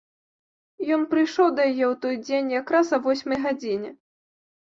Ён прыйшоў да яе ў той дзень якраз а восьмай гадзіне.